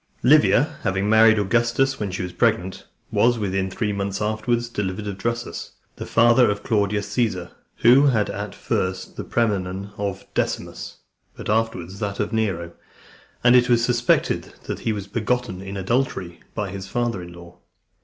Livia, having married Augustus when she was pregnant, was within three months afterwards delivered of Drusus, the father of Claudius Caesar, who had at first the praenomen of Decimus, but afterwards that of Nero; and it was suspected that he was begotten in adultery by his father in law.